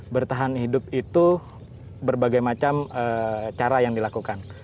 bertahan hidup itu berbagai macam cara yang dilakukan